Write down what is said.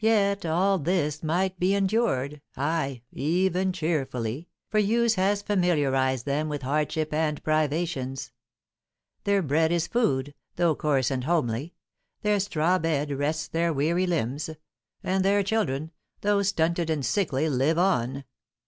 Yet all this might be endured, aye, even cheerfully, for use has familiarised them with hardships and privations; their bread is food, though coarse and homely, their straw bed rests their weary limbs, and their children, though stunted and sickly, live on.